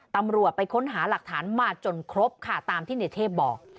ตำรวจไปค้นหาหลักฐานมาจนครบค่ะตามที่ในเทพบอก